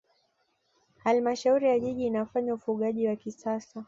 halmashauri ya jiji inafanya ufugaji wa kisasa